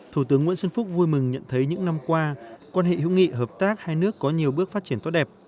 thủ tướng nguyễn xuân phúc vui mừng nhận thấy những năm qua quan hệ hữu nghị hợp tác hai nước có nhiều bước phát triển tốt đẹp